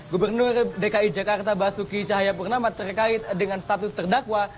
gubernur dki jakarta basuki cahayapurnama terkait dengan status terdakwa